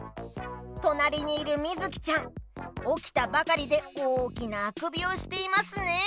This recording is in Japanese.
となりにいるみずきちゃんおきたばかりでおおきなあくびをしていますね！